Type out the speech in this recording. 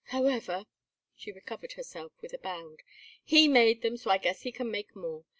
However " She recovered herself with a bound. "He made them, so I guess he can make more.